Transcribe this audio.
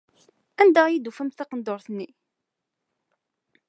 Anda ay d-tufamt taqendurt-nni?